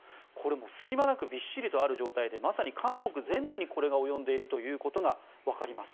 隙間なくびっしりある状態でまさに韓国全土にこれが及んでいるということがわかります。